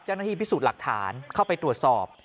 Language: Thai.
เจ้าหน้าที่พิสูจน์หลักฐานเข้าไปตรวจสอบ